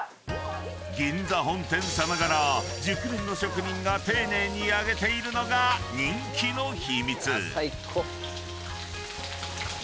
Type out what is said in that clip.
［「銀座本店」さながら熟練の職人が丁寧に揚げているのが人気の秘密］